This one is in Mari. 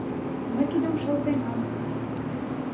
— Мый Тудым шылтенам.